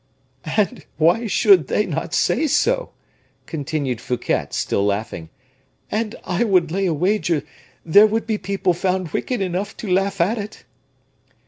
"And why should they not say so?" continued Fouquet, still laughing; "and I would lay a wager there would be people found wicked enough to laugh at it."